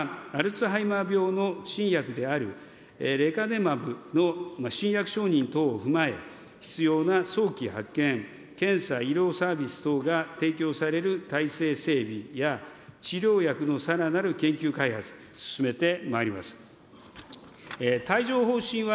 またアルツハイマー病の新薬であるレカネマブの新薬承認等を必要な早期発見、検査、医療サービス等が提供される体制整備や、治療薬のさらなる研究開発を進めてまいります。